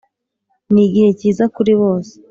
nigihe cyiza kuri bose.